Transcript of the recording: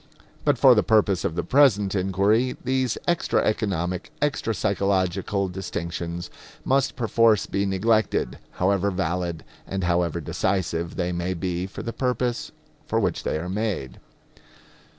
But for the purpose of the present inquiry these extra economic, extra psychological distinctions must perforce be neglected, however valid and however decisive they may be for the purpose for which they are made.